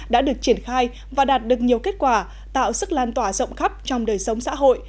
đã được triển khai và đạt được nhiều kết quả tạo sức lan tỏa rộng khắp trong đời sống xã hội